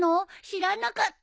知らなかっ。